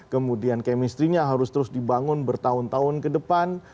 kemudian kemistrinya harus terus dibangun bertahun tahun ke depan